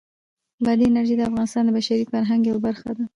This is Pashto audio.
بادي انرژي د افغانستان د بشري فرهنګ یوه برخه ده.